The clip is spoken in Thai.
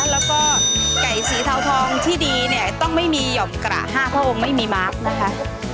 แล้วก็ไก่สีเทาทองที่ดีเนี่ยต้องไม่มีหย่อมกระห้าพระองค์ไม่มีมาร์คนะคะ